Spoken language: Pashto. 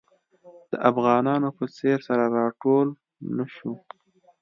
د افغانانو په څېر سره راټول نه شو.